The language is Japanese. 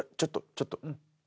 ちょっと。